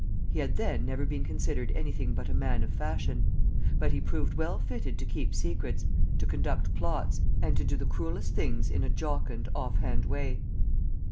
He had then never been considered anything but a man of fashion; but he proved well fitted to keep secrets, to conduct plots, and to do the cruellest things in a jocund, off hand way.